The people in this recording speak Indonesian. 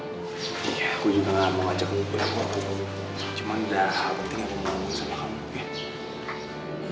iya aku juga gak mau ngajak kamu pulang aku aku aku cuman udah hal penting aku ngomong sama kamu ya